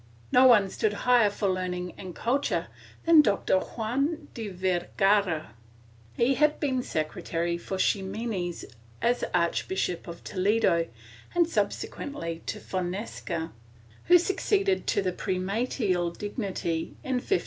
No man stood higher for learning and culture than Doctor Juan de Vergara. He had been secre tary of Ximenes as Archbishop of Toledo, and subsequently to Fonseca, who succeeded to the primatial dignity in 1524.